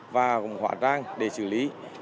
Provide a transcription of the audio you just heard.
và cũng hỏa trang để xử lý